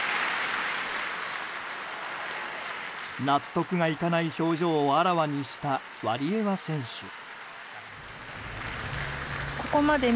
納得がいかない表情をあらわにした、ワリエワ選手。